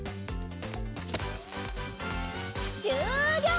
しゅうりょう！